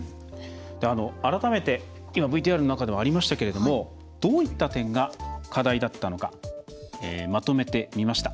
改めて、ＶＴＲの中でもありましたけれどもどういった点が課題だったのかまとめてみました。